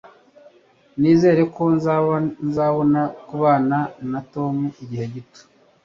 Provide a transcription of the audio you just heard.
Nizere ko nzabona kubana na Tom igihe gito.